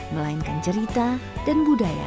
melainkan cerita dan budaya